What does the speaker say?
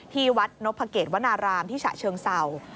ที่วัดนพเกตวนารามที่ฉะเชิงเศร้า